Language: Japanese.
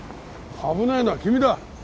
危ないのは君だ。